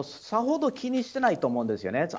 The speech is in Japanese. さほど気にしてないと思うんですよね。